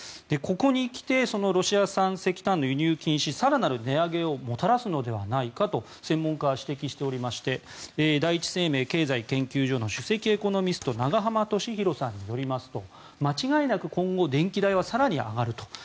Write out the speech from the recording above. ここに来てロシア産石炭の輸入禁止更なる値上げをもたらすのではないかと専門家は指摘しておりまして第一生命経済研究所の首席エコノミスト永濱利廣さんによりますと間違いなく今後電気代は更に上がると。